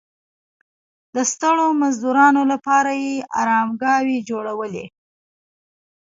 د ستړو مزدورانو لپاره یې ارامګاوې جوړولې.